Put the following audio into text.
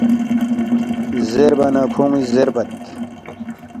زیربا نہ کھون٘ی زیربت